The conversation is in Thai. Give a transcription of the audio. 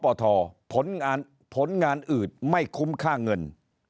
เพราะฉะนั้นผลงานอื่นไม่คุ้มค่าเงิน